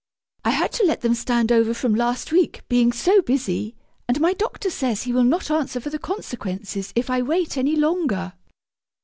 I had to let them stand over from last week, being so busy, and my doctor says he will not answer for the consequences if I wait any longer!'